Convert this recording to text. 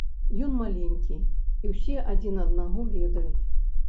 Ён маленькі, і ўсе адзін аднаго ведаюць.